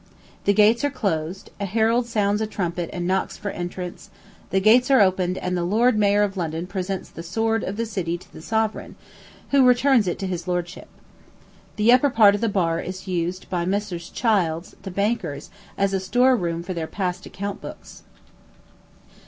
The gates are closed, a herald sounds a trumpet and knocks for entrance, the gates are opened, and the lord mayor of London presents the sword of the city to the sovereign, who returns it to his lordship. The upper part of the bar is used by Messrs. Childs, the bankers, as a store room for their past account books.